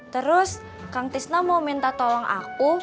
terus kang tisna mau minta tolong aku